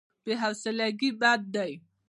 بې حوصلګي بد دی.